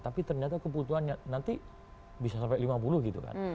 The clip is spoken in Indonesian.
tapi ternyata kebutuhannya nanti bisa sampai lima puluh gitu kan